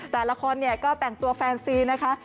แต่ละคนก็แต่งตัวแฟนซีนนะคะ